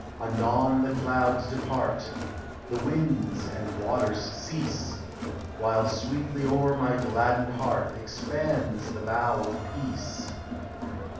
Anon the clouds depart. The winds and waters cease; While sweetly o'er my gladdened heart Expands the bow of peace